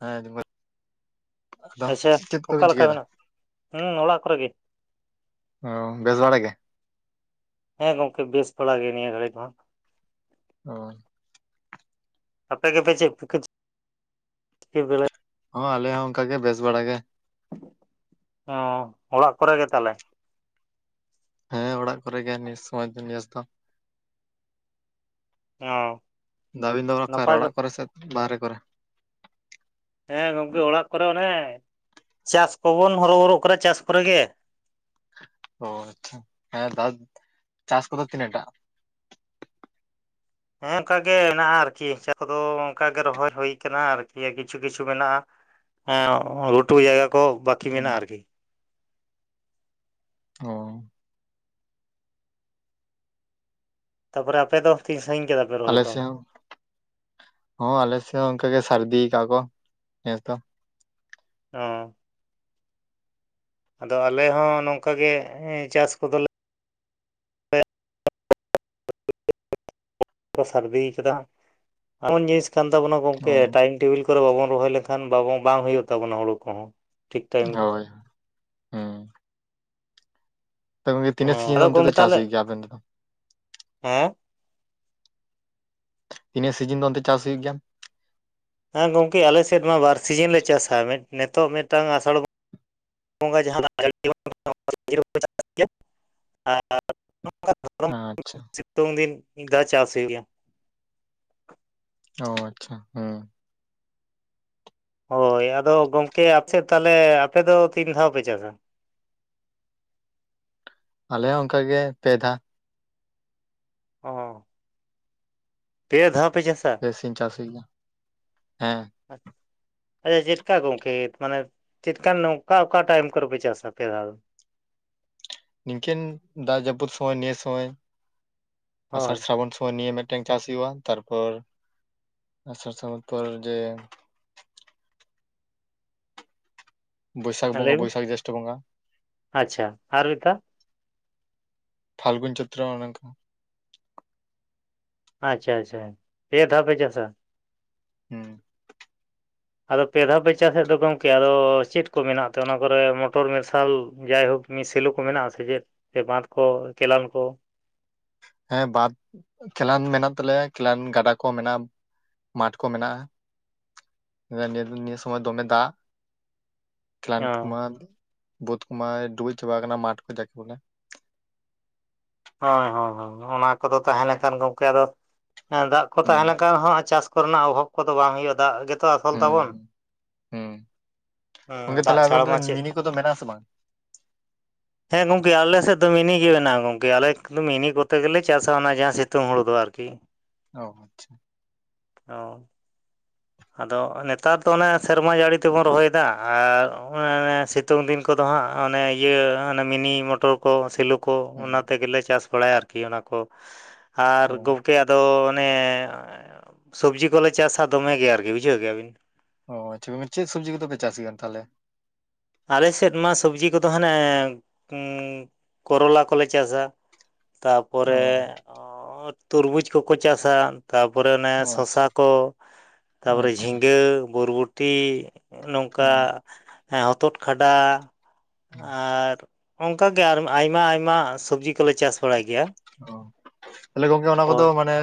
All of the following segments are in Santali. ᱦᱮᱸ ᱡᱩᱵᱟᱹᱭ ᱟᱫᱚ ᱟᱪᱪᱷᱟ ᱪᱮᱫ ᱚᱠᱟ ᱠᱚᱵᱤᱱ ᱞᱮᱠᱟ ᱪᱤᱠᱟᱹᱭ ᱫᱟ? ᱢᱮᱱᱟᱜ ᱦᱩᱸ ᱚᱲᱟᱜ ᱠᱚᱨᱮ ᱜᱮ᱾ ᱚ ᱵᱮᱥ ᱵᱟᱲᱟ ᱜᱮ? ᱦᱮᱸ ᱜᱚᱝᱠᱮ ᱵᱮᱥ ᱵᱟᱲᱟ ᱜᱮ ᱱᱤᱭᱟᱹ ᱜᱷᱟᱹᱲᱤᱡ ᱫᱚ ᱦᱟᱸᱜ᱾ ᱚ ᱟᱯᱮ ᱜᱮᱯᱮ ᱪᱮᱜ ᱠᱚᱯᱮ ᱪᱤᱠᱟᱹ ᱵᱟᱲᱟ ᱦᱚᱸ ᱟᱞᱮ ᱦᱚᱸ ᱚᱝᱠᱟᱜᱮ ᱵᱮᱥ ᱵᱟᱲᱟ ᱜᱮ᱾ ᱚ ᱚᱲᱟᱜ ᱠᱚᱨᱮ ᱜᱮ ᱛᱟᱞᱦᱮ? ᱦᱮᱸ ᱚᱲᱟᱜ ᱠᱚᱨᱮ ᱜᱮ ᱱᱤᱭᱟᱹ ᱥᱚᱢᱚᱭ ᱫᱚ ᱱᱮᱥ ᱫᱚ᱾ ᱚᱸ ᱫᱟᱵᱤᱱ ᱫᱚ ᱚᱠᱟ ᱨᱮ ᱚᱲᱟᱜ ᱠᱚᱨᱮ ᱥᱮ ᱵᱟᱦᱨᱮ ᱠᱚᱨᱮ? ᱦᱮᱸ ᱜᱚᱝᱠᱮ ᱚᱲᱟᱜ ᱠᱚᱨᱮ ᱚᱱᱮ ᱪᱟᱥ ᱠᱚᱵᱚᱱ ᱦᱚᱨᱚ ᱵᱚᱨᱚᱜ ᱠᱟᱱᱟ ᱪᱟᱥ ᱠᱚᱨᱮ ᱜᱮ᱾ ᱚ ᱟᱪᱪᱷᱟ ᱦᱮᱸ ᱫᱟ ᱪᱟᱥ ᱠᱚᱫᱚ ᱛᱤᱱᱟᱹᱜ ᱴᱟ? ᱦᱮᱸ ᱚᱱᱠᱟᱜᱮ ᱦᱮᱱᱟᱜᱼᱟ ᱟᱨᱠᱤ ᱪᱟ ᱠᱚᱫᱚ ᱚᱱᱠᱟᱜᱮ ᱨᱚᱦᱚᱭ ᱦᱩᱭ ᱠᱟᱱᱟ ᱟᱨᱠᱤ ᱠᱤᱪᱷᱩ ᱠᱤᱪᱷᱩ ᱢᱮᱱᱟᱜᱼᱟ᱾ ᱦᱮᱸ ᱜᱷᱩᱴᱩ ᱡᱟᱭᱜᱟ ᱠᱚ ᱵᱟᱹᱠᱤ ᱢᱤᱱᱟᱜᱼᱟ ᱟᱨᱠᱤ᱾ ᱚᱻ ᱛᱟᱯᱚᱨᱮ ᱟᱯᱮ ᱫᱚ ᱛᱤᱱ ᱥᱟᱺᱜᱤᱧ ᱠᱮᱫᱟ ᱯᱮ? ᱨᱚᱦᱚᱭ ᱟᱞᱮ ᱠᱚ ᱥᱮᱫ ᱦᱚᱸ, ᱦᱚᱸ ᱟᱞᱮ ᱥᱮᱫ ᱦᱚᱸ ᱚᱱᱠᱟ ᱜᱮ ᱥᱟᱹᱨᱫᱤ ᱠᱟᱜᱼᱟ ᱠᱚ ᱱᱮᱥ ᱫᱚ᱾ ᱚᱻ ᱟᱫᱚ ᱟᱞᱮ ᱦᱚᱸ ᱱᱚᱝᱠᱟᱜᱮ ᱪᱟᱥ ᱠᱚᱫᱚᱞᱮ ᱥᱟᱨᱫᱤᱭ ᱠᱟᱫᱟ ᱦᱟᱸᱜ, ᱮᱢᱚᱱ ᱡᱤᱱᱤᱥ ᱠᱟᱱ ᱛᱟᱵᱚᱱᱟ ᱜᱚᱢᱠᱮ ᱚ ᱴᱟᱭᱤᱢ ᱴᱮᱵᱤᱞ ᱚᱠᱛᱚ ᱨᱮ ᱵᱟᱵᱚᱱ ᱨᱚᱦᱚᱭ ᱞᱮᱠᱷᱟᱱ ᱵᱟᱵᱚᱱ ᱵᱟᱝ ᱦᱩᱭᱩᱜ ᱛᱟᱵᱚᱱᱟ ᱦᱩᱲᱩ ᱠᱚᱦᱚᱸ, ᱴᱷᱤᱠ ᱴᱟᱭᱤᱢ ᱨᱮ᱾ ᱦᱳᱭ ᱛᱟᱣ ᱦᱮᱸ ᱛᱤᱱᱟᱹᱜ ᱥᱤᱡᱤᱱ ᱟᱫᱚ ᱚᱱᱛᱮ ᱫᱚ ᱜᱚᱝᱠᱮ ᱪᱟᱥ ᱛᱟᱦᱚᱞᱮ ᱦᱩᱭᱩᱜ ᱜᱮᱭᱟ ᱟᱯᱮ ᱚᱱᱛᱮ ᱫᱚ? ᱦᱮᱸ, ᱛᱤᱱᱟᱹᱜ ᱥᱤᱡᱤᱱ ᱫᱚ ᱚᱱᱛᱮ ᱪᱟᱥ ᱦᱩᱭᱩᱜ ᱜᱮᱭᱟ? ᱦᱮᱸ ᱜᱚᱢᱠᱮ ᱟᱞᱮᱥᱮᱫ ᱢᱟ ᱵᱟᱨ ᱥᱤᱡᱤᱱ ᱞᱮ ᱪᱟᱥᱟ, ᱢᱤᱫ ᱱᱤᱛᱚᱜ ᱢᱤᱫᱴᱟᱝ ᱟᱥᱟᱲ ᱵᱚᱸᱜᱟ ᱡᱟᱦᱟᱸ ᱫᱟᱜ ᱡᱟᱲᱤ ᱱᱚᱜ-ᱚᱭ ᱱᱤᱛᱚᱜ ᱠᱚ ᱪᱟᱥ ᱜᱮᱭᱟ ᱟᱨ ᱟᱪᱪᱷᱟ᱾ ᱛᱩᱝ ᱫᱤᱱ ᱢᱤᱫ ᱫᱷᱟᱣ ᱪᱟᱥ ᱦᱩᱭᱩᱜ ᱜᱮᱭᱟ᱾ ᱚ ᱟᱪᱪᱷᱟ ᱦᱮᱸ᱾ ᱦᱳᱭ ᱟᱫᱚ ᱜᱚᱢᱠᱮ ᱟᱯᱮᱥᱮᱫ ᱛᱟᱦᱞᱮ ᱟᱯᱮ ᱫᱚ ᱛᱤᱱ ᱫᱷᱟᱣ ᱯᱮ ᱪᱟᱥᱟ? ᱟᱞᱮ ᱦᱚᱸ ᱚᱱᱠᱟᱜᱮ ᱯᱮ ᱫᱷᱟᱣ᱾ ᱚᱻ ᱾ ᱯᱮ ᱫᱷᱟᱣ ᱯᱮ ᱪᱟᱥᱟ? ᱯᱮ ᱥᱤᱝ ᱪᱟᱥ ᱦᱩᱭᱩᱜ ᱜᱮᱭᱟ, ᱦᱮᱸ᱾ ᱟᱪ ᱟᱪᱪᱷᱟ ᱪᱮᱫ ᱠᱟ ᱜᱚᱝᱠᱮ ᱢᱟᱱᱮ ᱪᱮᱫ ᱠᱟᱱ ᱱᱚᱝᱠᱟ ᱚᱠᱟᱴᱟᱜ ᱴᱟᱭᱤᱢ ᱠᱚᱨᱮᱯᱮ ᱪᱟᱥᱟ ᱯᱮ ᱫᱷᱟᱣ ᱫᱚ? ᱱᱤᱝᱠᱟᱹᱱ ᱫᱟᱜ ᱡᱟᱹᱯᱩᱫ ᱥᱚᱢᱚᱭ ᱱᱤᱭᱟᱹ ᱥᱚᱢᱚᱭ᱾ ᱟᱥᱟᱲ ᱦᱳᱭ ᱥᱨᱟᱵᱚᱱ ᱥᱚᱢᱚᱭ ᱱᱤᱭᱟᱹ ᱢᱤᱫ ᱢᱤᱫᱴᱮᱱ ᱪᱟᱥ ᱦᱩᱭᱩᱜᱼᱟ᱾ ᱛᱟᱨᱯᱚᱨ ᱟᱥᱟᱲ ᱥᱨᱟᱵᱚᱱ ᱯᱚᱨ ᱡᱮ ᱵᱟᱹᱭᱥᱟᱠᱷ ᱞᱟᱹᱭ ᱵᱚᱸᱜᱟ ᱢᱮ ᱵᱟᱹᱭᱥᱟᱠᱷ ᱡᱳᱥᱴᱷᱚ ᱵᱚᱸᱜᱟ᱾ ᱟᱪᱪᱷᱟ ᱟᱨ ᱢᱤᱫᱴᱟ ᱯᱷᱟᱞᱜᱩᱱ ᱪᱟᱹᱛᱨᱳ ᱚᱱᱮ ᱚᱝᱠᱟ᱾ ᱟᱪᱪᱷᱟ ᱟᱪᱪᱷᱟ᱾ ᱯᱮ ᱫᱷᱟᱣ ᱯᱮ ᱪᱟᱥᱟ᱾ ᱦᱩᱸ᱾ ᱟᱫᱚ ᱯᱮ ᱫᱷᱟᱣ ᱯᱮ ᱪᱟᱥᱮᱫ ᱫᱚ ᱜᱚᱢᱠᱮ ᱟᱫᱚ ᱪᱮᱫ ᱠᱚ ᱢᱮᱱᱟᱜ ᱛᱮ ᱚᱱᱟ ᱠᱚᱨᱮ ᱢᱚᱴᱚᱨ ᱢᱮᱥᱟᱞ ᱡᱟᱭᱦᱳᱠ ᱥᱮᱞᱚ ᱠᱚ ᱢᱮᱱᱟᱜᱼᱟ ᱥᱮ ᱪᱮᱫ, ᱥᱮ ᱵᱟᱸᱫᱷ ᱠᱚ ᱠᱮᱞᱟᱱ ᱠᱚ? ᱦᱮᱸ ᱵᱟᱸᱫᱽ, ᱠᱮᱞᱟᱱ ᱢᱮᱱᱟᱜ ᱛᱟᱞᱮᱭᱟ ᱠᱮᱞᱟᱱ ᱜᱟᱰᱟ ᱠᱚ ᱢᱮᱱᱟᱜᱼᱟ᱾ ᱢᱟᱴᱷ ᱠᱚ ᱢᱮᱱᱟᱜ -ᱟ, ᱱᱤᱭᱟᱹ ᱥᱚᱢᱚᱭ ᱫᱚᱢᱮ ᱫᱟᱜ᱾ ᱠᱮᱞᱟᱱ ᱠᱚ ᱦᱚᱸ ᱢᱟ, ᱵᱟᱹᱫᱷ ᱠᱚᱢᱟᱭ ᱰᱩᱵᱩᱡ ᱪᱟᱵᱟᱣ ᱠᱟᱱᱟ ᱢᱟᱴᱷ ᱠᱚ ᱡᱟᱠᱮ ᱵᱚᱞᱮ᱾ ᱦᱳᱭ ᱦᱳᱭ ᱦᱚᱸ ᱚᱱᱟ ᱠᱚᱫᱚ ᱛᱟᱦᱞᱮ ᱠᱷᱟᱱ ᱜᱚᱢᱠᱮ ᱟᱫᱚ, ᱫᱟᱜ ᱠᱚ ᱛᱟᱦᱮ ᱦᱩᱸ ᱞᱮᱠᱷᱟᱱ ᱦᱚᱸ ᱪᱟᱥ ᱠᱚᱨᱮᱱᱟᱜ ᱚᱵᱷᱟᱵᱽ ᱠᱚᱫᱚ ᱵᱟᱝ ᱦᱩᱭᱩᱜᱼᱟ ᱫᱟᱜ ᱜᱮ ᱡᱚᱛᱚ ᱟᱥᱚᱞ ᱛᱟᱵᱚᱱ ᱦᱩᱸ ᱦᱩᱸ ᱜᱚᱝᱠᱮ ᱫᱟᱜ ᱛᱟᱦᱚᱞᱮ ᱟᱵᱮᱱ ᱪᱷᱟᱲᱟ ᱫᱚ ᱢᱟ ᱪᱮᱫ ᱢᱤᱱᱤ ᱠᱚᱫᱚ ᱢᱮᱱᱟᱜ ᱟᱥᱮ ᱵᱟᱝ ᱦᱮᱸ ᱜᱚᱢᱠᱮ ᱟᱞᱮ ᱥᱮᱫ ᱫᱚ ᱢᱤᱱᱤ ᱜᱮ ᱢᱮᱱᱟᱜ-ᱟ ᱜᱚᱢ ᱜᱮ ᱟᱞᱮᱠ ᱫᱚ ᱢᱤᱱᱤ ᱠᱚᱛᱮ ᱜᱮᱞᱮ ᱪᱟᱥᱟ ᱚᱱᱟ ᱡᱟᱦᱟᱸ ᱥᱤᱛᱩᱝ ᱦᱩᱲᱩ ᱫᱚ ᱟᱨᱠᱤ᱾ ᱚ ᱟᱪᱪᱷᱟ᱾ ᱚ, ᱟᱫᱚ ᱱᱮᱛᱟᱨ ᱫᱚ ᱚᱱᱮ ᱥᱮᱨᱢᱟ ᱡᱟᱹᱲᱤ ᱛᱮᱵᱚᱱ ᱨᱚᱦᱚᱭ ᱫᱟ ᱟᱨ ᱚᱱᱟ ᱥᱤ ᱥᱤᱛᱩᱝ ᱫᱤᱱ ᱠᱚᱫᱚ ᱦᱟᱸᱜ ᱚᱱᱮ ᱤᱭᱟᱹ ᱚᱱᱮ ᱢᱤᱱᱤ ᱢᱚᱴᱚᱨ ᱠᱚ ᱥᱮᱞᱚ ᱠᱚ ᱦᱩᱸ ᱚᱱᱟ ᱛᱮᱜᱮᱞᱮ ᱪᱟᱥ ᱵᱟᱲᱟᱭᱟ ᱟᱨᱠᱤ ᱚᱱᱟ ᱠᱚ ᱟᱨ ᱚ ᱜᱚᱢᱠᱮ ᱟᱫᱚ ᱚᱱᱮ ᱥᱚᱵᱽᱡᱤ ᱠᱚᱞᱮ ᱪᱟᱥᱼᱟ ᱫᱚᱢᱮ ᱜᱮ ᱟᱨᱠᱤ ᱵᱩᱡᱷᱟᱹᱣ ᱠᱮᱜ-ᱟᱵᱤᱱ᱾ ᱚ ᱟᱪᱪᱷᱟ ᱪᱮᱫ ᱥᱚᱵᱽᱡᱤ ᱠᱚᱫᱚᱯᱮ ᱪᱟᱥ ᱜᱮᱭᱟ ᱛᱟᱦᱞᱮ? ᱟᱞᱮ ᱥᱮᱫ ᱢᱟ ᱥᱚᱵᱽᱡᱤ ᱠᱚᱫᱚ ᱦᱟᱱᱮ ᱠᱚᱨᱚᱞᱟ ᱠᱚᱞᱮ ᱪᱟᱥᱼᱟ᱾ ᱚ ᱛᱟᱯᱚᱨᱮ ᱛᱚᱨᱢᱩᱡᱽ ᱠᱚᱠᱚ ᱪᱟᱥᱟ᱾ ᱛᱟᱯᱚᱨᱮ ᱚᱱᱮ ᱚ ᱟᱪᱪᱷᱟ ᱥᱚᱥᱟ ᱠᱚ, ᱛᱟᱯᱚᱨᱮ ᱟᱪᱪᱷᱟ ᱡᱷᱤᱸᱜᱟᱹ ᱵᱚᱨᱵᱚᱴᱤ᱾ ᱚ ᱱᱚᱝᱠᱟ ᱦᱚᱛᱚᱫ ᱠᱷᱟᱰᱟ ᱟᱨ ᱚᱱᱠᱟ ᱜᱮ ᱟᱨ ᱟᱭᱢᱟ ᱟᱭᱢᱟ ᱥᱚᱵᱽᱡᱤ ᱠᱚᱞᱮ ᱪᱟᱥ ᱵᱟᱲᱟᱭ ᱜᱮᱭᱟ ᱚ ᱛᱟᱦᱞᱮ ᱜᱚᱝᱠᱮ ᱚᱱᱟ ᱠᱚᱫᱚ ᱦᱳᱭ ᱢᱟᱱᱮ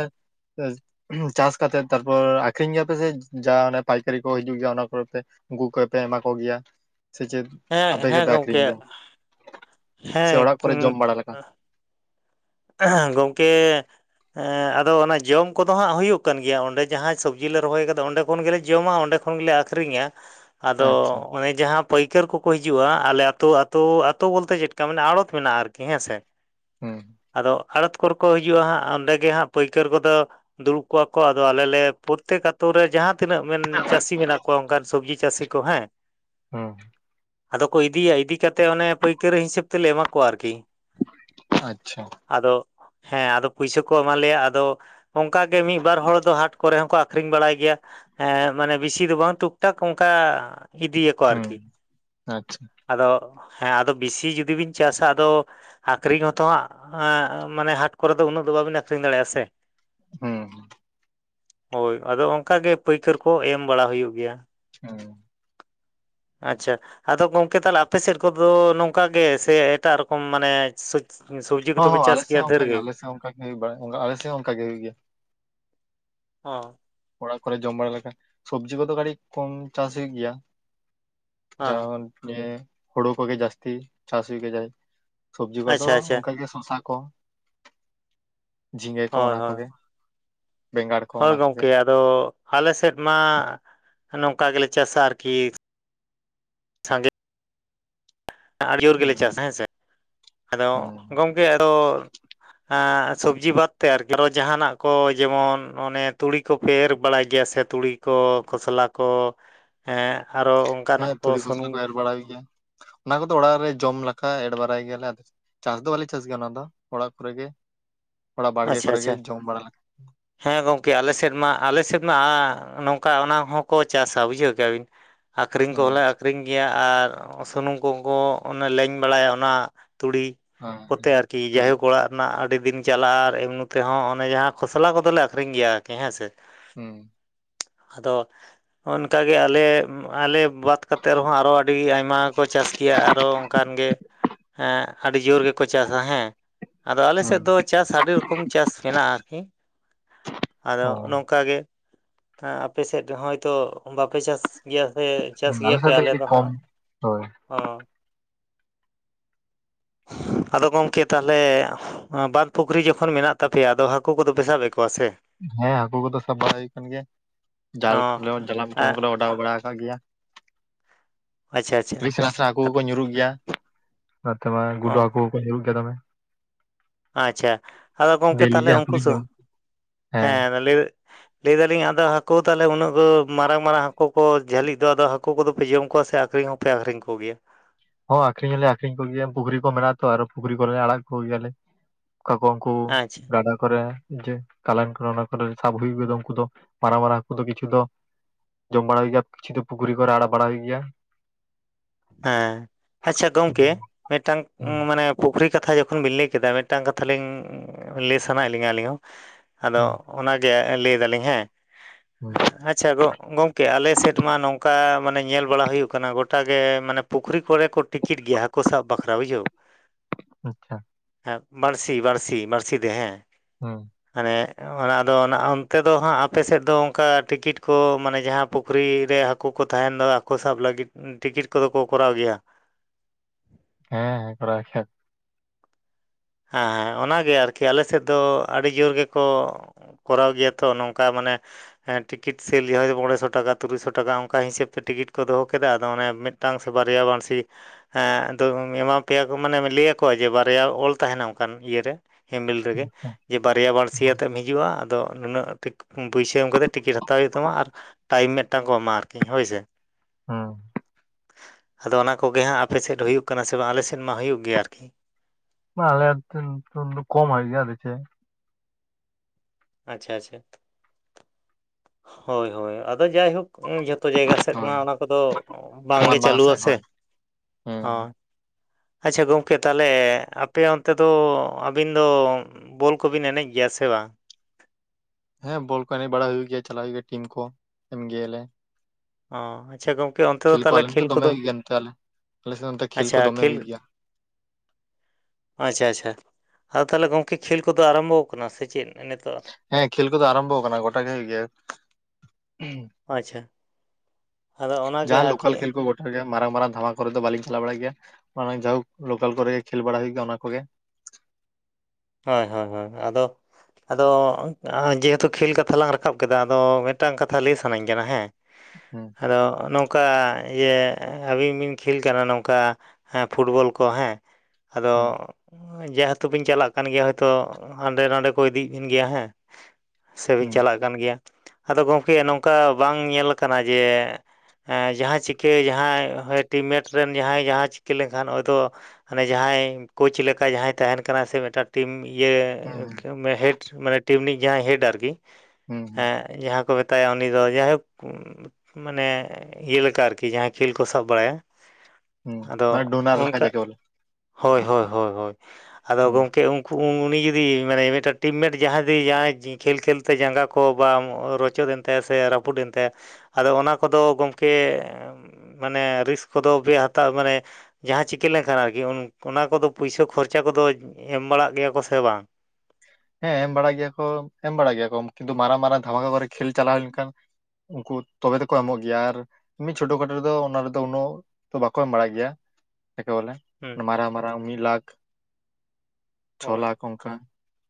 ᱪᱟᱥ ᱠᱟᱛᱮᱜ ᱛᱟᱨᱯᱚᱨ ᱟᱠᱷᱨᱤᱧ ᱜᱮᱭᱟ ᱯᱮ ᱥᱮ ᱡᱟ ᱚᱱᱮ ᱯᱟᱭᱠᱟᱨᱤ ᱠᱚ ᱦᱤᱡᱩᱜ ᱜᱮᱭᱟ ᱚᱱᱟ ᱠᱚᱨᱮ ᱯᱮ ᱩᱱᱠᱩ ᱠᱷᱚᱭ ᱯᱮ ᱮᱢᱟ ᱠᱚᱜᱮᱭᱟ, ᱥᱮ ᱪᱮᱫ? ᱦᱮᱸ ᱟᱯᱮ ᱦᱮᱸ ᱜᱮᱯᱮ ᱜᱚᱢᱠᱮ ᱟᱠᱷᱨᱤᱧ ᱜᱮᱭᱟ, ᱥᱮ ᱦᱮᱸ ᱚᱲᱟᱜ ᱠᱚᱨᱮ ᱡᱚᱢ ᱵᱟᱲᱟ ᱞᱮᱠᱟ? ᱤᱦᱮᱸ ᱜᱚᱝᱠᱮ ᱟᱫᱚ ᱚᱱᱟ ᱡᱚᱢ ᱠᱚᱫᱚ ᱦᱟᱸᱜ ᱦᱩᱭᱩᱜ ᱠᱟᱱ ᱜᱮᱭᱟ, ᱚᱸᱰᱮ ᱡᱟᱦᱟᱸ ᱥᱚᱵᱽᱡᱤ ᱞᱮ ᱨᱚᱦᱚᱭ ᱠᱟᱫᱟ ᱚᱸᱰᱮ ᱠᱷᱚᱱ ᱜᱮᱞᱮ ᱡᱚᱢᱟ, ᱚᱸᱰᱮ ᱠᱷᱚᱱ ᱜᱮᱞᱮ ᱟᱹᱠᱷᱨᱤᱧᱼᱟ ᱾ ᱟᱫᱚ ᱟᱪᱪᱷᱟ ᱚᱱᱮ ᱡᱟᱦᱟᱸ ᱯᱟᱹᱭᱠᱟᱹᱨ ᱠᱚᱠᱚ ᱦᱤᱡᱩᱜᱼᱟ ᱟᱞᱮ ᱟᱛᱳ ᱟᱛᱳ, ᱟᱛᱳ ᱵᱚᱞᱛᱮ ᱪᱮᱫᱠᱟ ᱢᱟᱱᱮ ᱟᱲᱚᱛ ᱢᱮᱱᱟᱜᱼᱟ ᱟᱨᱠᱤ ᱦᱮᱸ ᱥᱮ ᱾ ᱦᱩᱸ ᱟᱫᱚ ᱟᱲᱚᱛ ᱠᱚᱨᱮ ᱠᱚ ᱦᱤᱡᱩᱜᱼᱟ ᱦᱟᱸᱜ ᱚᱸᱰᱮᱜᱮ ᱦᱟᱸᱜ ᱯᱟᱹᱭᱠᱟᱹᱨ ᱠᱚᱫᱚ ᱫᱩᱲᱩᱵ ᱠᱚᱜᱼᱟ ᱠᱚ ᱟᱫᱚ ᱟᱞᱮ ᱞᱮ ᱯᱳᱛᱛᱮᱠ ᱟᱛᱳ ᱨᱮ ᱡᱟᱦᱟᱸ ᱛᱤᱱᱟᱹᱜ ᱢᱮᱱ ᱪᱟᱹᱥᱤ ᱢᱮᱱᱟᱜ ᱠᱚᱣᱟ ᱚᱱᱠᱟᱱ ᱥᱚᱵᱽᱡᱤ ᱪᱟᱹᱥᱤ ᱠᱚ ᱦᱮᱸ ᱦᱩᱸ ᱟᱫᱚ ᱠᱚ ᱤᱫᱤᱭᱟ ᱤᱫᱤ ᱠᱟᱛᱮ ᱚᱱᱮ ᱯᱟᱹᱭᱠᱟᱹᱨ ᱦᱤᱥᱟᱹᱵ ᱛᱮᱞᱮ ᱮᱢᱟ ᱠᱚᱣᱟ ᱟᱨᱠᱤ ᱾ ᱟᱪᱪᱷᱟ ᱾ ᱟᱫᱚ ᱦᱮᱸ ᱟᱫᱚ ᱯᱩᱭᱥᱟᱹ ᱠᱚ ᱮᱢᱟ ᱞᱮᱭᱟ ᱟᱫᱚ ᱚᱱᱠᱟ ᱜᱮ ᱢᱤᱫ ᱵᱟᱨ ᱦᱚᱲ ᱫᱚ ᱦᱟᱴ ᱠᱚᱨᱮ ᱦᱚᱸᱠᱚ ᱟᱠᱷᱨᱤᱧ ᱵᱟᱲᱟᱭ ᱜᱮᱭᱟ ᱾ ᱮᱸ ᱢᱟᱱᱮ ᱵᱤᱥᱤ ᱫᱚ ᱵᱟᱝ ᱴᱩᱠ ᱴᱟᱠ ᱚᱱᱠᱟ ᱤᱫᱤᱭᱟ ᱠᱚ ᱦᱩᱸ ᱟᱨᱠᱤ ᱟᱪᱪᱷᱟ ᱟᱫᱚ ᱦᱮᱸ ᱟᱫᱚ ᱵᱤᱥᱤ ᱡᱩᱫᱤ ᱵᱤᱱ ᱪᱟᱥᱟ ᱟᱫᱚ ᱟᱠᱷᱨᱤᱧ ᱦᱚᱸᱛᱚ ᱦᱟᱸᱜ ᱢᱟᱱᱮ ᱦᱟᱴ ᱠᱚᱨᱮ ᱫᱚ ᱩᱱᱟᱹᱜ ᱫᱚ ᱵᱟᱹᱵᱤᱱ ᱟᱠᱷᱨᱤᱧ ᱫᱟᱲᱮᱜᱼᱟ ᱥᱮ ᱾ ᱦᱩᱸ ᱦᱩᱸ ᱦᱳᱭ ᱟᱫᱚ ᱚᱱᱠᱟ ᱜᱮ ᱯᱟᱹᱭᱠᱟᱹᱨ ᱠᱚ ᱮᱢ ᱵᱟᱲᱟ ᱦᱩᱭᱩᱜ ᱜᱮᱭᱟ ᱾ ᱚᱸ ᱟᱪᱪᱷᱟ ᱾ ᱟᱫᱚ ᱜᱚᱝᱠᱮ ᱛᱟᱦᱞᱮ ᱟᱯᱮ ᱥᱮᱫ ᱠᱚᱫᱚ ᱱᱚᱝᱠᱟ ᱜᱮ ᱥᱮ ᱮᱴᱟᱜ ᱨᱚᱠᱚᱢ ᱢᱟᱱᱮ ᱥᱚᱵᱽᱡᱤ ᱦᱚᱸ ᱠᱚᱫᱚᱯᱮ ᱦᱚᱸ ᱪᱟᱥ ᱟᱞᱮ ᱥᱮᱜ ᱜᱮᱭᱟ ᱦᱚᱸ ᱰᱷᱮᱨ ᱚᱱᱠᱟ ᱜᱮ ᱟᱞᱮ ᱥᱮᱜ ᱚᱱᱠᱟᱜᱮ [unintelligible] ᱟᱞᱮ ᱥᱮᱜ ᱦᱚᱸ ᱚᱱᱠᱟ ᱜᱮ ᱦᱩᱭᱩᱜ ᱜᱮᱭᱟ ᱾ ᱚᱸ ᱚᱲᱟᱜ ᱠᱚᱨᱮ ᱡᱚᱢ ᱵᱟᱲᱟ ᱞᱮᱠᱟ ᱥᱚᱵᱽᱡᱤ ᱠᱚᱫᱚ ᱠᱟᱹᱴᱤᱡ ᱠᱚᱢ ᱪᱟᱥ ᱦᱩᱭᱩᱜ ᱜᱮᱭᱟ ᱾ ᱦᱮᱸ [unintelligible] ᱦᱩᱲᱩ ᱠᱚᱜᱮ ᱡᱟᱹᱥᱛᱤ ᱪᱟᱥ ᱦᱩᱭ ᱜᱮ ᱡᱟᱭ ᱥᱚᱵᱽᱡᱤ ᱠᱚᱫᱚ ᱟᱪᱪᱷᱟ ᱟᱪᱪᱷᱟ ᱚᱱᱠᱟ ᱜᱮ ᱥᱚᱥᱟ ᱠᱚ ᱾ ᱡᱷᱤᱸᱜᱟᱹ ᱠᱚ ᱦᱳᱭ ᱚᱱᱟ ᱦᱳᱭ ᱠᱚᱜᱮ ᱾ ᱦᱳᱭ ᱜᱚᱝᱠᱮ ᱟᱫᱚ ᱟᱞᱮ ᱥᱮᱫ ᱢᱟ, ᱱᱚᱝᱠᱟ ᱜᱮᱞᱮ ᱪᱟᱥᱟ ᱟᱨᱠᱤ ᱥᱟᱸᱜᱮ ᱟᱹᱰᱤ ᱡᱳᱨ ᱜᱮᱞᱮ ᱦᱩᱸ ᱪᱟᱥᱟ ᱦᱮᱸ ᱥᱮ, ᱟᱫᱚ ᱦᱩᱸ ᱜᱚᱝᱠᱮ ᱟᱫᱚ ᱮᱸ ᱥᱚᱵᱽᱡᱤ ᱵᱟᱫ ᱛᱮ ᱟᱨᱠᱤ ᱟᱨᱚ ᱡᱟᱦᱟᱸᱱᱟᱜ ᱠᱚ ᱡᱮᱢᱚᱱ ᱚᱱᱮ ᱛᱩᱲᱤ ᱠᱚ ᱯᱮ ᱮᱨ ᱵᱟᱲᱟᱭ ᱜᱮᱭᱟ ᱥᱮ ᱛᱩᱲᱤ ᱠᱚ ᱠᱷᱚᱥᱞᱟ ᱠᱚ ᱮᱸᱜ ᱟᱨᱚ ᱦᱮᱸ ᱚᱱᱠᱟᱱᱟᱜ ᱛᱩᱲᱤ ᱠᱷᱚᱥᱞᱟ ᱥᱩᱱᱩᱢ ᱠᱚ ᱮᱨ ᱵᱟᱲᱟᱭ ᱦᱩᱭᱩᱜ ᱜᱮᱭᱟ, ᱚᱱᱟ ᱠᱚᱫᱚ ᱚᱲᱟᱜ ᱨᱮ ᱡᱚᱢ ᱞᱟᱠᱟ ᱮᱲ ᱵᱟᱨᱟᱭ ᱜᱮᱭᱟᱞᱮ [unintelligible] ᱾ ᱪᱟᱥ ᱫᱚ ᱵᱟᱞᱮ ᱪᱟᱥ ᱜᱮᱭᱟ ᱚᱱᱟ ᱫᱚ, ᱚᱲᱟᱜ ᱠᱚᱨᱮᱜᱮ ᱚᱲᱟᱜ ᱵᱟᱲᱜᱮ ᱟᱪᱪᱷᱟ ᱠᱚᱨᱮᱜᱮ ᱟᱪᱪᱷᱟ ᱡᱚᱢ ᱵᱟᱲᱟ ᱞᱟ ᱦᱮᱸ ᱜᱚᱝᱠᱮ ᱟᱞᱮ ᱥᱮᱫ ᱢᱟ ᱟᱞᱮ ᱥᱮᱫ ᱢᱟ ᱱᱚᱝᱠᱟ ᱚᱱᱟ ᱦᱚᱸᱠᱚ ᱪᱟᱥᱟ ᱵᱩᱡᱷᱟᱹᱣ ᱠᱮᱭᱟᱵᱤᱱ ᱾ ᱟᱠᱷᱨᱤᱧ ᱠᱚᱦᱚᱸ ᱞᱮ ᱟᱹᱠ ᱟᱪᱪᱷᱟ ᱟᱹᱠᱷᱨᱤᱧ ᱜᱮᱭᱟ ᱟᱨ, ᱥᱩᱱᱩᱢ ᱠᱚᱠᱚ ᱚᱱᱟ ᱞᱮᱧ ᱵᱟᱲᱟᱭᱟ ᱚᱱᱟ ᱛᱩᱲᱤ ᱦᱮᱸ ᱾ ᱠᱚᱛᱮ ᱦᱮᱸ ᱟᱨᱠᱤ ᱛᱩᱲᱤ ᱡᱟᱭᱦᱳᱠ ᱚᱲᱟᱜ ᱨᱮᱱᱟᱜ ᱟᱹᱰᱤ ᱫᱤᱱ ᱪᱟᱞᱟᱜᱼᱟ᱾ ᱮᱢᱱᱤ ᱛᱮᱦᱚᱸ ᱚᱱᱮ ᱡᱟᱦᱟᱸ ᱠᱷᱚᱥᱞᱟ ᱠᱚᱫᱚ ᱞᱮ ᱟᱠᱷᱨᱤᱧ ᱜᱮᱭᱟ ᱟᱨᱠᱤ ᱦᱮᱸ ᱥᱮ ᱾ ᱦᱩᱸ ᱾ ᱟᱫᱚ ᱚᱱᱠᱟᱜᱮ ᱟᱞᱮ ᱟᱞᱮ ᱵᱟᱫ ᱠᱟᱛᱮᱜ ᱨᱮᱦᱚᱸ ᱟᱨᱚ ᱟᱹᱰᱤ ᱟᱭᱢᱟ ᱜᱮᱠᱚ ᱪᱟᱥ ᱜᱮᱭᱟ, ᱟᱨᱦᱚ ᱚᱱᱠᱟᱱ ᱜᱮ ᱦᱮᱸ ᱟᱹᱰᱤ ᱡᱳᱨ ᱜᱮᱠᱚ ᱪᱟᱥᱟ ᱦᱮᱸ ᱟᱫᱚ ᱟᱞᱮ ᱥᱮᱫ ᱦᱩᱸ ᱫᱚ ᱪᱟᱥ ᱟᱹᱰᱤ ᱨᱚᱠᱚᱢ ᱪᱟᱥ ᱢᱮᱱᱟᱜᱼᱟ ᱟᱨᱠᱤ ᱟᱫᱚ ᱚ ᱱᱚᱝᱠᱟ ᱜᱮ ᱟᱯᱮ ᱥᱮᱫ ᱦᱚᱭᱛᱚ ᱵᱟᱯᱮ ᱪᱟᱥ ᱜᱮᱭᱟ ᱥᱮ ᱪᱟᱥ ᱜᱮᱭᱟ ᱯᱮ ᱟᱞᱮ ᱫᱚ ᱦᱟᱸᱜ ᱦᱳᱭ ᱟᱫᱚ ᱜᱚᱝᱠᱮ ᱛᱟᱦᱚᱞᱮ ᱵᱟᱸᱫ ᱯᱩᱠᱷᱨᱤ ᱡᱚᱠᱷᱚ ᱡᱚᱠᱷᱚᱱ ᱢᱮᱱᱟᱜ ᱛᱟᱯᱮᱭᱟ ᱟᱫᱚ ᱦᱟᱹᱠᱩ ᱠᱚᱫᱚ ᱯᱮ ᱥᱟᱵᱮᱫ ᱠᱚᱣᱟ ᱥᱮ? ᱦᱮᱸ ᱦᱟᱹᱠᱩ ᱠᱚᱫᱚ ᱥᱟᱵ ᱵᱟᱲᱟ ᱦᱩᱭᱩ ᱠᱟᱱ ᱜᱮᱭᱟ ᱡᱟᱞ ᱚ ᱠᱚᱞᱮ ᱡᱟᱞᱟᱢ ᱴᱟᱞᱟᱚᱱ ᱠᱚᱞᱮ ᱚᱰᱟᱣ ᱵᱟᱲᱟ ᱜᱮᱭᱟ ᱟᱪᱪᱷᱟ ᱟᱪᱪᱷᱟ [unintelligible] ᱦᱟᱹᱠᱩ ᱠᱚᱠᱚ ᱧᱩᱨᱩᱜ ᱜᱮᱭᱟ᱾ ᱱᱛᱮᱢᱟ ᱜᱩᱰᱩ ᱚ ᱦᱟᱹᱠᱩ ᱦᱚᱸᱠᱚ ᱧᱩᱨᱩ ᱜᱮᱭᱟ ᱫᱚᱢᱮ᱾ ᱟᱪᱪᱷᱟ ᱟᱫᱚ ᱜᱚᱝᱠᱮ ᱰᱮᱞᱤ ᱛᱟᱦᱚᱞᱮ ᱜᱮ ᱦᱟᱹᱠᱩ ᱩᱱᱠᱩ ᱞᱤᱧ ᱡᱚᱢ ᱦᱮᱸ ᱞᱟᱹᱭ ᱞᱟᱹᱭ ᱫᱟᱞᱤᱧ ᱟᱫᱚ ᱦᱟᱹᱠᱩ ᱛᱟᱦᱚᱞᱮ ᱩᱱᱟᱹᱜ ᱫᱚ ᱢᱟᱨᱟᱝ ᱢᱟᱨᱟᱝ ᱦᱟᱹᱠᱩ ᱠᱚ ᱡᱷᱟᱟᱹᱞᱤ ᱫᱚ ᱟᱫᱚ ᱦᱟᱹᱠᱩ ᱦᱟᱹᱠᱩ ᱠᱚᱫᱚ ᱯᱮ ᱡᱚᱢ ᱠᱚᱣᱟ ᱥᱮ ᱟᱹᱠᱷᱨᱤᱧ ᱦᱚᱸᱯᱮ ᱟᱠᱷᱨᱤᱧ ᱠᱚᱜᱮᱭᱟ? ᱦᱚᱸ ᱟᱠᱷᱨᱤᱧ ᱦᱚᱸᱞᱮ ᱟᱹᱠᱷᱨᱤᱧ ᱠᱚᱜᱮᱭᱟ ᱯᱩᱠᱷᱨᱤ ᱠᱚ ᱢᱮᱱᱟᱜ ᱟᱛᱚ ᱟᱨ ᱯᱩᱠᱷᱨᱤ ᱠᱚᱨᱮ ᱟᱲᱟᱜ ᱠᱚᱜᱮᱭᱟᱞᱮ᱾ [unintelligible] ᱟᱪᱪᱷᱟ ᱜᱟᱰᱟ ᱠᱚᱨᱮ ᱡᱮ ᱠᱟᱞᱟᱱ ᱠᱚᱨᱮ ᱚᱱᱟ ᱠᱚᱨᱮ ᱥᱟᱵ ᱦᱩᱭᱩᱜ ᱫᱚ ᱩᱱᱠᱩ ᱫᱚ ᱢᱟᱨᱟᱝ ᱢᱟᱨᱟᱝ ᱦᱟᱹᱠᱩ ᱫᱚ ᱠᱤᱪᱷᱩ ᱫᱚ ᱡᱚᱢ ᱵᱟᱲᱟ ᱦᱩᱭᱩᱜ ᱜᱮᱭᱟ ᱠᱤᱪᱷᱩ ᱫᱚ ᱯᱩᱠᱷᱨᱤ ᱠᱚᱨᱮ ᱟᱲᱟᱜ ᱵᱟᱲᱟ ᱦᱩᱭ ᱜᱮᱭᱟ᱾ ᱦᱮᱸ ᱟᱪᱪᱷᱟ ᱜᱚᱝᱠᱮ ᱢᱤᱫᱴᱟᱝ ᱦᱩᱸ ᱢᱟᱱᱮ ᱯᱩᱠᱷᱨᱤ ᱠᱟᱛᱷᱟ ᱡᱚᱠᱷᱚᱱ ᱵᱤᱱ ᱞᱟᱹᱭ ᱠᱮᱫᱟ ᱢᱤᱫᱴᱟᱝ ᱠᱟᱛᱷᱟ ᱞᱤᱧ ᱞᱟᱹᱭ ᱥᱟᱱᱟᱭᱮᱫ ᱞᱤᱧᱟᱹ ᱟᱹᱞᱤᱧ ᱦᱚᱸ, ᱟᱫᱚ ᱦᱩᱸ ᱚᱱᱟᱜᱮ ᱞᱟᱹᱭ ᱫᱟᱞᱤᱧ ᱦᱮᱸ᱾ ᱦᱩᱸ ᱟᱪᱪᱷᱟ ᱜ ᱜᱚᱝᱠᱮ ᱟᱞᱮ ᱥᱮᱫ ᱢᱟ ᱱᱚᱝᱠᱟ ᱢᱟᱱᱮ ᱧᱮᱞ ᱵᱟᱲᱟ ᱦᱩᱭᱩᱜ ᱠᱟᱱᱟ ᱜᱚᱴᱟᱜᱮ ᱢᱟᱱᱮ ᱯᱩᱠᱷᱨᱤ ᱠᱚᱨᱮ ᱠᱚ ᱴᱤᱠᱤᱴ ᱜᱮᱭᱟ ᱦᱟᱹᱠᱩ ᱥᱟᱵ ᱵᱟᱠᱷᱨᱟ ᱵᱩᱡᱷᱟᱹᱣ, ᱟᱪᱪᱷᱟ ᱦᱮᱸ ᱵᱟᱹᱬᱥᱤ ᱵᱟᱹᱬᱥᱤ ᱵᱟᱹᱬᱥᱤ ᱛᱮ ᱦᱮᱸ ᱾ [unintelligible] [unintelligible] ᱚᱱᱟ ᱟᱫᱚ ᱚᱱᱟ ᱚᱱᱛᱮ ᱫᱚ ᱦᱟᱸᱜ ᱟᱯᱮ ᱥᱮᱫ ᱫᱚ ᱚᱱᱠᱟ ᱴᱤᱠᱤᱴ ᱠᱚ ᱢᱟᱱᱮ ᱡᱟᱦᱟᱸ ᱯᱩᱠᱷᱨᱤ ᱨᱮ ᱦᱟᱹᱠᱩ ᱠᱚ ᱛᱟᱦᱮᱱ ᱫᱚ ᱦᱟᱹᱠᱩ ᱥᱟᱵ ᱞᱟᱹᱜᱤᱫ ᱴᱤᱠᱤᱴ ᱠᱚᱫᱚ ᱠᱚ ᱠᱚᱨᱟᱣ ᱜᱮᱭᱟ᱾ ᱦᱮᱸ ᱦᱮᱸ ᱠᱚᱨᱟᱣ ᱜᱮᱭᱟ᱾ ᱦᱮᱸ ᱦᱮᱸ ᱚᱱᱟᱜᱮ ᱟᱨᱠᱤ ᱟᱞᱮ ᱥᱮᱫ ᱫᱚ ᱟᱹᱰᱤ ᱡᱳᱨ ᱜᱮᱠᱚ ᱠᱚᱨᱟᱣ ᱜᱮᱭᱟ ᱛᱚ ᱱᱚᱝᱠᱟ ᱢᱟᱱᱮ ᱦᱮᱸ ᱴᱤᱠᱤᱴ ᱥᱮᱞ ᱢᱚᱬᱮᱥᱚ ᱴᱟᱠᱟ ᱛᱩᱨᱩᱭ ᱥᱚ ᱴᱟᱠᱟ ᱚᱱᱠᱟ ᱦᱤᱥᱟᱹᱵᱽ ᱛᱮ ᱴᱤᱠᱤᱴ ᱠᱚ ᱫᱚᱦᱚ ᱠᱮᱫᱟ ᱟᱫᱚ ᱚᱱᱮ ᱢᱤᱫ ᱢᱤᱫᱴᱟᱝ ᱥᱮ ᱵᱟᱨᱭᱟ ᱵᱟᱹᱲᱥᱤ ᱟᱫᱚ ᱮᱢᱟ ᱯᱮᱭᱟ ᱠᱚ ᱢᱟᱱᱮ ᱞᱟᱹᱭ ᱟᱠᱚᱣᱟ ᱡᱮ ᱵᱟᱨᱭᱟ ᱚᱞ ᱛᱟᱦᱮᱱᱟ ᱚᱱᱠᱟᱱ ᱤᱭᱟᱹᱨᱮ ᱦᱮᱱᱵᱤᱞ ᱨᱮᱜᱮ ᱥᱮ ᱡᱮ ᱵᱟᱨᱭᱟ ᱵᱟᱹᱲᱥᱤ ᱟᱛᱮ ᱢᱤᱜ ᱦᱤᱡᱩᱜᱼᱟ ᱟᱫᱚ ᱱᱩᱱᱟᱹᱜ ᱯᱩᱭᱥᱟᱹ ᱮᱢ ᱠᱟᱛᱮᱫ ᱴᱤᱠᱤᱴ ᱦᱟᱛᱟᱣ ᱦᱩᱭᱩᱜ ᱛᱟᱢᱟ, ᱟᱨ ᱴᱟᱭᱤᱢ ᱢᱤᱫᱴᱟᱝ ᱠᱚ ᱮᱢᱟ ᱟᱨᱠᱤ ᱦᱳᱭ ᱥᱮ᱾ ᱦᱩᱸ ᱾ ᱟᱫᱚ ᱚᱱᱟ ᱠᱚᱜᱮ ᱦᱟᱸᱜ ᱟᱯᱮ ᱥᱮᱫ ᱦᱩᱭᱩᱜ ᱠᱟᱱᱟ ᱥᱮ ᱵᱟᱝ ᱟᱞᱮ ᱥᱮᱫ ᱢᱟ ᱦᱩᱭᱩᱜ ᱜᱮᱭᱟ ᱟᱨᱠᱤ ᱾ [inaudible] ᱟᱪᱪᱷᱟ ᱟᱪᱪᱷᱟ᱾ ᱦᱳᱭ ᱦᱳᱭ ᱟᱫᱚ ᱡᱟᱭᱦᱳᱠ᱾ ᱡᱷᱚᱛᱚ ᱡᱟᱭᱜᱟ ᱥᱮᱫ ᱢᱟ ᱦᱳᱭ ᱚᱱᱟ ᱠᱚᱫᱚ, ᱵᱟᱝᱜᱮ ᱥᱚᱢᱟᱱ ᱵᱟᱝ ᱪᱟᱹᱞᱩ ᱥᱮ ᱟᱥᱮ ᱦᱳᱭ ᱦᱩᱸ ᱦᱳᱭ᱾ ᱟᱪᱪᱷᱟ ᱜᱚᱝᱠᱮ ᱛᱟᱦᱟᱞᱮ ᱟᱯᱮ ᱚᱱᱛᱮ ᱫᱚ ᱟᱹᱵᱤᱱ ᱫᱚ ᱵᱚᱞ ᱠᱚᱵᱤᱱ ᱮᱱᱮᱡ ᱜᱮᱭᱟ ᱥᱮ ᱵᱟᱝ? ᱦᱮᱸ ᱵᱚᱞ ᱠᱚ ᱮᱱᱮᱡ ᱵᱟᱲᱟ ᱦᱩᱭᱩᱜ ᱜᱮᱭᱟ ᱪᱟᱞᱟᱜ ᱦᱩᱭᱩᱜ ᱜᱮᱭᱟ ᱴᱤᱢ ᱠᱚ ᱮᱢᱜᱮᱭᱟᱞᱮ᱾ ᱚ ᱟᱪᱪᱷᱟ ᱜᱚᱝᱠᱮ ᱚᱱᱛᱮ ᱫᱚ ᱠᱚ ᱛᱟᱦᱟᱞᱮ ᱟᱞᱮ ᱱᱚᱛᱮ ᱠᱷᱮᱞ ᱫᱚᱢᱮ ᱠᱚᱫᱚ, ᱦᱩᱭᱩᱜ ᱜᱮᱭᱟ ᱱᱚᱛᱮ ᱟᱞᱮ ᱟᱞᱮ ᱥᱮᱫ ᱱᱚᱛᱮ ᱟᱪᱪᱷᱟ ᱠᱚ ᱫᱚᱢᱮ ᱠᱷᱮᱞ ᱦᱩᱭᱩᱜ ᱜᱮᱭᱟ ᱟᱪᱪᱷᱟ ᱟᱪᱪᱷᱟ᱾ ᱟᱫᱚ ᱛᱟᱦᱟᱞᱮ ᱜᱚᱝᱠᱮ ᱠᱷᱮᱞ ᱠᱚᱫᱚ ᱟᱨᱟᱢᱵᱷᱚ ᱟᱠᱟᱱᱟ ᱥᱮ ᱪᱮᱫ? ᱱᱤᱛᱚᱜ ᱦᱮᱸ ᱠᱷᱮᱞ ᱠᱚᱫᱚ ᱟᱨᱟᱢᱵᱷᱚ ᱟᱠᱟᱱᱟ ᱜᱚᱴᱟ ᱜᱮ ᱦᱩᱭᱩᱜ ᱜᱮᱭᱟ᱾ ᱟᱪᱪᱷᱟ᱾ ᱟᱫᱚ ᱚᱱᱟᱜᱮ ᱡᱟ ᱟᱨᱠᱤ ᱞᱳᱠᱟᱞ ᱠᱷᱮᱞ ᱠᱚ ᱢᱟᱨᱟᱝ ᱢᱟᱨᱟᱝ ᱫᱷᱟᱣᱟ ᱠᱚᱨᱮᱫ ᱵᱟᱟᱹᱞᱤᱧ ᱪᱟᱞᱟᱣ ᱵᱟᱲᱟᱭ ᱜᱮᱭᱟ ᱡᱟᱱᱮ ᱡᱟᱦᱳᱠ ᱞᱳᱠᱟᱞ ᱠᱚᱨᱮᱜ ᱜᱮ ᱠᱷᱮᱞ ᱵᱟᱲᱟ ᱦᱳᱭᱩᱜ ᱜᱮᱭᱟ ᱚᱱᱟ ᱠᱚᱜᱮ᱾ ᱦᱳᱭ ᱦᱳᱭ ᱦᱳᱭ ᱟᱫᱚ ᱟᱫᱚ ᱡᱮᱦᱮᱛᱩ ᱠᱷᱮᱞ ᱠᱟᱛᱷᱟ ᱞᱟᱝ ᱨᱟᱠᱟᱵ ᱠᱮᱫᱟ ᱟᱫᱚ ᱢᱤᱫᱴᱟᱝ ᱠᱟᱛᱷᱟ ᱞᱮᱭ ᱥᱟᱱᱟᱧ ᱠᱟᱱᱟ ᱦᱮᱸ? ᱦᱩᱸ ᱟᱫᱚ ᱱᱚᱝᱠᱟ ᱤᱭᱟᱹ ᱟᱹᱵᱤᱱ ᱵᱤᱱ ᱠᱷᱮᱞ ᱠᱟᱱᱟ ᱱᱚᱝᱠᱟ ᱦᱮᱸ ᱯᱷᱩᱰᱵᱚᱞ ᱠᱚ ᱦᱮ, ᱸ ᱟᱫᱚ ᱦᱩᱸ ᱡᱟ ᱟᱛᱩ ᱵᱤᱱ ᱪᱟᱞᱟᱜ ᱠᱟᱱ ᱜᱮᱭᱟ ᱦᱚᱭᱛᱚ ᱦᱟᱸᱰᱮ ᱱᱟᱰᱮ ᱠᱚ ᱤᱫᱤᱭᱮᱫ ᱵᱤᱱ ᱜᱮᱭᱟ ᱦᱮᱸ ᱥᱮᱵᱤᱱ ᱦᱩᱸ ᱪᱟᱞᱟᱜ ᱠᱟᱱ ᱜᱮᱭᱟ᱾ ᱟᱫᱚ ᱜᱚᱝᱠᱮ ᱱᱚᱝᱠᱟ ᱵᱟᱝ ᱧᱮᱞ ᱠᱟᱱᱟ ᱡᱮ ᱮ ᱡᱟᱦᱟᱸᱭ ᱪᱤᱠᱟᱹ ᱡᱟᱦᱟᱭ ᱦᱚᱭ ᱴᱤᱢᱢᱮᱴ ᱨᱮᱱ ᱡᱟᱦᱟᱸᱭ ᱡᱟᱦᱟᱸ ᱪᱤᱠᱟᱹ ᱞᱮᱱᱠᱷᱟᱱ ᱦᱚᱭ ᱛᱚ ᱦᱟᱱᱮ ᱡᱟᱦᱟᱸᱭ ᱠᱳᱪ ᱞᱮᱠᱟ ᱡᱟᱦᱟᱸᱭ ᱛᱟᱦᱮᱱ ᱠᱟᱱᱟ ᱥᱮ ᱢᱤᱫᱴᱟᱱ ᱴᱤᱢ ᱤᱭᱟᱹ ᱦᱩᱸ ᱦᱮᱰ ᱢᱟᱱᱮ ᱴᱤᱢ ᱨᱤᱱᱤᱡ ᱡᱟᱦᱟᱸ ᱦᱮᱴ ᱟᱨᱠᱤ᱾ ᱦᱩᱸ ᱦᱩᱸ ᱦᱮᱸ ᱡᱟᱦᱟᱸ ᱠᱚ ᱢᱮᱛᱟᱭᱟ ᱩᱱᱤ ᱫᱚ ᱡᱟᱭᱦᱳᱠ ᱢᱟᱱᱮ ᱤᱭᱟᱹ ᱞᱮᱠᱟ ᱟᱨᱠᱤ ᱡᱟᱦᱟᱸᱭ ᱠᱷᱮᱞ ᱠᱚ ᱥᱟᱵ ᱵᱟᱲᱟᱭᱟ, ᱦᱩᱸ ᱟᱫᱚ ᱢᱟᱱᱮ ᱰᱳᱱᱟᱨ ᱞᱮᱠᱟ ᱚᱱᱠᱟ᱾ ᱡᱟᱠᱮ ᱵᱚᱞᱮ ᱦᱳᱭ ᱦᱳᱭ ᱦᱳᱭ ᱦᱳᱭ ᱟᱫᱚ ᱦᱩᱸ ᱜᱚᱝᱠᱮ ᱚᱱ ᱩᱱᱤ ᱡᱩᱫᱤ ᱢᱟᱱᱮ ᱢᱤᱫᱴᱟᱝ ᱴᱤᱢᱢᱮᱴ ᱡᱟᱦᱟᱸᱭ ᱡᱩᱫᱤ ᱡᱟᱦᱟᱸᱭ ᱠᱷᱮᱞ ᱠᱷᱮᱞ ᱛᱮ ᱡᱟᱸᱜᱟ ᱠᱚ ᱵᱟᱢ ᱨᱚᱪᱚᱫ ᱮᱱ ᱛᱟᱭᱟ ᱥᱮ ᱨᱟᱹᱯᱩᱫ ᱮᱱ ᱛᱟᱭᱟ, ᱟᱫᱚ ᱚᱱᱟ ᱠᱚᱫᱚ ᱜᱚᱝᱠᱮ ᱢᱟᱱᱮ ᱨᱤᱠᱤᱥᱠ ᱠᱚᱫᱚ ᱯᱮ ᱦᱟᱛᱟᱣ ᱢᱟᱱᱮ ᱡᱟᱦᱟᱸ ᱪᱤᱠᱟᱹ ᱞᱮᱱᱠᱷᱟᱱ ᱟᱨᱠᱤ᱾ ᱤᱭᱟᱹ ᱚᱱᱟ ᱠᱚᱫᱚ ᱯᱩᱭᱥᱟᱹ ᱠᱷᱚᱨᱪᱟ ᱠᱚᱫᱚ ᱮᱢ ᱵᱟᱲᱟᱜ ᱜᱮᱭᱟ ᱠᱚ ᱥᱮ ᱵᱟᱝ? ᱦᱮᱸ ᱮᱢ ᱵᱟᱲᱟ ᱜᱮᱭᱟ ᱠᱚ, ᱮᱢ ᱵᱟᱲᱟ ᱜᱮᱭᱟ ᱠᱚ ᱠᱤᱱᱛᱩ ᱢᱟᱨᱟᱝ ᱢᱟᱨᱟᱝ ᱫᱷᱟᱢᱟᱠᱟ ᱠᱚᱨᱮ ᱠᱷᱮᱞ ᱪᱟᱞᱟᱣ ᱞᱮᱱᱠᱷᱟᱱ ᱩᱱᱠᱩ ᱛᱚᱵᱮ ᱫᱚᱠᱚ ᱮᱢᱚᱜ ᱜᱮᱭᱟ ᱟᱨ ᱮᱢᱱᱤ ᱪᱷᱳᱴᱳ ᱠᱷᱟᱴᱳ ᱨᱮᱫᱚ ᱚᱱᱟ ᱨᱮᱫᱚ ᱩᱱᱟᱹᱜ ᱛᱚ ᱵᱟᱠᱚ ᱮᱢ ᱵᱟᱲᱟᱜ ᱜᱮᱭᱟ᱾ ᱮᱠᱮ ᱵᱚᱞᱮ ᱦᱩᱸ ᱢᱟᱨᱟᱝ ᱢᱟᱨᱟᱝ ᱢᱤᱫ ᱞᱟᱠᱷ ᱦᱳᱭ ᱪᱷᱚᱞᱟᱠᱷ ᱚᱱᱠᱟ,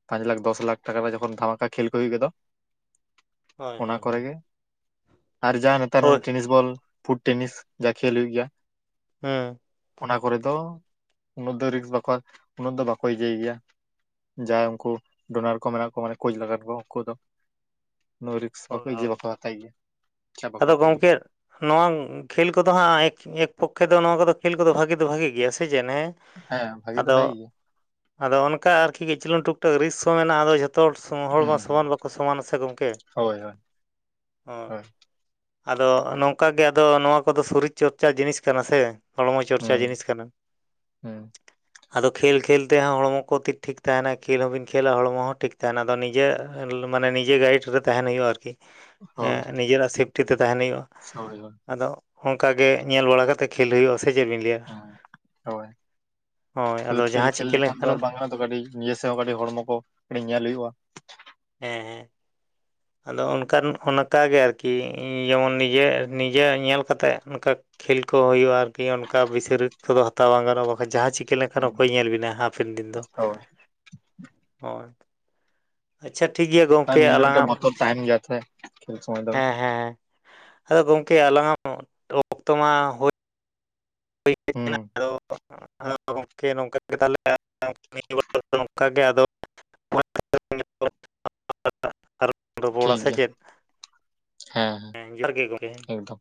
ᱯᱟᱸᱪ ᱞᱟᱠᱷ ᱫᱚᱥ ᱞᱟᱠᱷ ᱴᱟᱠᱟ ᱡᱚᱠᱷᱚᱱ ᱫᱷᱟᱢᱟᱠᱟ ᱠᱷᱮᱞ ᱠᱚ ᱦᱩᱭᱩᱜ ᱜᱮ ᱫᱚ ᱦᱳᱭ ᱚᱱᱟ ᱦᱳᱭ ᱠᱚᱨᱮᱜᱮ, ᱟᱨ ᱡᱟᱦᱟᱸ ᱱᱮᱛᱟᱨ ᱦᱳᱭ ᱱᱚᱝ ᱴᱮᱱᱤᱥ ᱵᱚᱞ ᱯᱷᱩᱴ ᱴᱮᱱᱤᱥ ᱡᱟ ᱠᱷᱮᱞ ᱦᱩᱭᱩᱜ ᱜᱮᱭᱟ᱾ ᱦᱩᱸ᱾ ᱚᱱᱟ ᱠᱚᱨᱮ ᱫᱚ, ᱩᱱᱟᱹᱜ ᱫᱚ ᱨᱤᱠ ᱵᱟᱠᱚ ᱩᱱᱟᱹᱜ ᱫᱚ ᱵᱟᱠᱚ ᱤᱭᱟᱹᱤᱭ ᱜᱮᱭᱟ᱾ ᱡᱟᱦᱟᱸᱭ ᱩᱱᱠᱩ ᱰᱳᱱᱟᱨ ᱠᱚ ᱢᱮᱱᱟᱜ ᱠᱚ ᱢᱟᱱᱮ ᱠᱳᱪ ᱞᱮᱠᱟᱱ ᱠᱚ ᱩᱱᱠᱩ ᱫᱚ ᱩᱱᱟ ᱨᱤᱠᱥ ᱦᱳᱭ ᱵᱟᱠᱚ ᱤᱭᱟᱹ ᱦᱳᱭ ᱵᱟᱠᱚ ᱦᱟᱛᱟᱣ ᱜᱮᱭᱟ ᱪᱟ ᱵᱟᱠᱚ ᱟᱫᱚ ᱦᱟᱛᱟᱣ ᱜᱮᱭᱟ᱾ ᱜᱚᱢᱠᱮ ᱱᱚᱣᱟ ᱠᱷᱮᱞ ᱠᱚᱫᱚ ᱦᱟᱸᱜ ᱮᱠ ᱮᱠ ᱯᱚᱠᱠᱷᱮ ᱫᱚ ᱱᱚᱣᱟ ᱠᱚᱫᱚ ᱠᱷᱮᱞ ᱠᱚᱫᱚ ᱵᱷᱟᱜᱮ ᱫᱚ ᱵᱷᱟᱜᱮ ᱜᱮᱭᱟ ᱥᱮ ᱪᱮᱫ ᱦᱮᱸ? ᱦᱮᱸ ᱵᱷᱟᱜᱤ ᱫᱚ ᱟᱫᱚ ᱵᱷᱟᱜᱤ ᱜᱮᱭᱟ᱾ ᱟᱫᱚ ᱚᱱᱠᱟ ᱟᱨᱠᱤ ᱠᱤᱪᱩᱝ ᱜᱟᱱ ᱴᱩᱠ ᱴᱟᱠ ᱨᱤᱠᱤᱥ ᱦᱚᱸ ᱢᱮᱱᱟᱜᱼᱟ ᱟᱫᱚ ᱡᱷᱚᱛᱚ ᱦᱚᱲ ᱦᱚᱲ ᱦᱩᱸ ᱢᱟ ᱦᱩᱸ ᱥᱚᱢᱟᱱ ᱵᱟᱠᱚ ᱥᱚᱢᱟᱱᱟ ᱥᱮ ᱜᱚᱝᱠᱮ ᱾ ᱦᱳᱭ ᱦᱳᱭ᱾ ᱦᱩᱸ ᱦᱳᱭ ᱟᱫᱚ ᱱᱚᱝᱠᱟ ᱜᱮ ᱟᱫᱚ ᱱᱚᱣᱟ ᱠᱚᱫᱚ ᱥᱚᱨᱤᱨ ᱪᱚᱨᱪᱟ ᱡᱤᱱᱤᱥ ᱠᱟᱱᱟ ᱥᱮ᱾ ᱦᱚᱲᱢᱚ ᱪᱚᱨᱪᱟ ᱦᱩᱸ ᱡᱤᱱᱤᱥ ᱠᱟᱱᱟ᱾ ᱦᱩᱸ ᱟᱫᱚ ᱠᱷᱮᱞ ᱠᱷᱮᱞ ᱛᱮᱦᱚᱸ ᱦᱚᱲᱢᱚ ᱠᱚ ᱛᱷᱤᱠ ᱴᱷᱤᱠ ᱛᱟᱦᱮᱸᱱᱟ ᱠᱷᱮᱞ ᱦᱚᱸ ᱵᱤᱱ ᱠᱷᱮᱞᱟ ᱦᱚᱲᱢᱚ ᱦᱚᱸ ᱴᱷᱤᱠ ᱛᱟᱦᱮᱸᱱᱟ ᱟᱫᱚ ᱱᱤᱡᱮ ᱢᱟᱱᱮ ᱱᱤᱡᱮ ᱜᱟᱭᱤᱰ ᱨᱮ ᱛᱟᱦᱮᱸᱱ ᱦᱩᱭᱩᱜᱼᱟ ᱟᱨᱠᱤ, ᱦᱳᱭ ᱱᱤᱡᱮᱨᱟᱜ ᱥᱮᱯᱴᱤ ᱛᱮ ᱛᱟᱦᱮᱸᱱ ᱦᱩᱭᱩᱜᱼᱟ᱾ [unintelligible] ᱟᱫᱚ ᱚᱝᱠᱟ ᱜᱮ ᱧᱮᱞ ᱵᱟᱲᱟ ᱠᱟᱛᱮ ᱠᱷᱮᱞ ᱦᱩᱭᱩᱜᱼᱟ ᱥᱮ ᱪᱮᱫ ᱵᱤᱱ ᱞᱟᱹᱭᱟ? ᱦᱮᱸ ᱦᱳᱭ ᱦᱳᱭ ᱠᱷᱟᱞᱤ ᱟᱫᱚ ᱠᱷᱮᱞ ᱡᱟᱦᱟᱸ ᱠᱷᱮᱞ ᱪᱤᱠᱟᱹ ᱞᱮᱠᱷᱟᱱ ᱫᱚ ᱟᱨ ᱞᱮᱱᱠᱷᱟᱱᱮᱢ ᱵᱟᱝ ᱜᱟᱱᱚᱜ-ᱟ ᱛᱚ ᱠᱟᱹᱴᱤᱡ ᱱᱤᱡᱮ ᱥᱮᱫ ᱦᱚᱸ ᱠᱟᱹᱴᱤᱡ ᱦᱚᱲᱢᱚ ᱠᱚ ᱠᱟᱹᱴᱤᱡ ᱧᱮᱞ ᱦᱩᱭᱩᱜᱼᱟ᱾ ᱦᱮᱸ ᱦᱮᱸ᱾ ᱟᱫᱚ ᱚᱱᱠᱟᱱ ᱚᱱᱠᱟᱱᱜᱮ ᱟᱨᱠᱤ ᱡᱮᱢᱚᱱ ᱱᱤᱡᱮ ᱱᱤᱡᱮᱨᱟᱜ ᱧᱮᱞ ᱠᱟᱛᱮᱜ ᱚᱱᱠᱟ ᱠᱷᱮᱞ ᱠᱚ ᱦᱳᱭᱳᱜᱼᱟ ᱟᱨᱠᱤ ᱚᱱᱠᱟ ᱵᱮᱥᱤ ᱨᱤᱠᱥ ᱠᱚᱫᱚ ᱦᱟᱛᱟᱣ ᱵᱟᱝ ᱜᱟᱱᱚᱜᱼᱟ ᱵᱟᱠᱷᱟᱡ ᱡᱟᱦᱟᱸ ᱪᱤ ᱠᱟ. ᱞᱮᱠᱷᱟᱱ ᱦᱩᱸ ᱚᱠᱚᱭ ᱧᱮᱞ ᱵᱤᱱᱟ ᱦᱟᱯᱮᱱ ᱫᱤᱱ ᱫᱚ᱾ ᱦᱳᱭ ᱦᱳᱭ᱾ ᱟᱪᱷᱟ ᱴᱷᱤᱠ ᱜᱮ ᱟᱨ ᱱᱤᱡᱮᱨᱟᱜ ᱢᱤᱫᱴᱟᱝ ᱵᱚᱛᱚᱨ ᱛᱟᱦᱮᱸᱱ ᱜᱮᱭᱟ ᱥᱮ, ᱠᱷᱮᱞ ᱥᱚᱢᱚᱭ ᱫᱚ᱾ ᱦᱮᱸ ᱦᱮᱸ ᱟᱫᱚ ᱜᱚᱝᱠᱮ ᱟᱞᱟᱝᱟᱜ ᱚᱠᱛᱚ ᱢᱟ ᱦᱳᱭ ᱦᱩᱸ᱾ ᱟᱫᱚ ᱜᱚᱝᱠᱮ ᱱᱚᱝᱠᱟ ᱜᱮ ᱛᱟᱦᱚᱞᱮ ᱱᱤᱭᱟ ᱵᱟᱨ ᱫᱚ ᱱᱚᱝᱠᱟ ᱜᱮ ᱟᱫᱚ [unintelligible] [inaudible] ᱨᱚᱯᱚᱲᱟ ᱴᱷᱤᱠ ᱥᱮ ᱜᱮᱭᱟ ᱪᱮᱫ? ᱦᱮᱸ ᱡᱚᱦᱟᱨ ᱜᱮ ᱜᱚᱝᱠᱮ᱾ ᱦᱮᱸ ᱮᱠᱫᱚᱢ